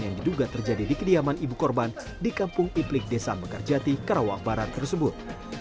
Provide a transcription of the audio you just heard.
yang diduga terjadi di kediaman ibu korban di kampung iplik desa mekarjati karawang barat tersebut